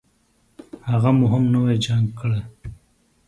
هغه مو هم نوي جان کړې.